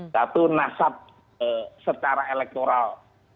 satu nasab secara elektoral